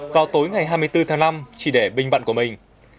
vào tối ngày hai mươi bốn tháng năm chỉ để bình bạn của mình